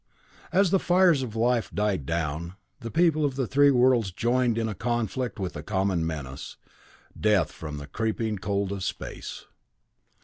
"As the fires of life died down, the people of the three worlds joined in a conflict with the common menace, death from the creeping cold of space.